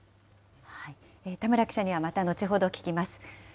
田村記者にはまた後ほど聞きます。